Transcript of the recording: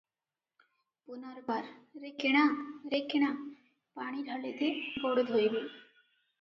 ପୁନର୍ବାର - "ରେ କିଣା, ରେ କିଣା! ପାଣି ଢାଳେ ଦେ" ଗୋଡ ଧୋଇବି ।